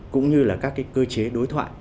cũng như là các cơ chế đối thoại